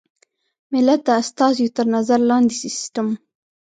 ملت د استازیو تر نظر لاندې سیسټم.